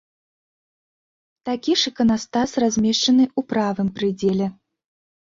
Такі ж іканастас размешчаны ў правым прыдзеле.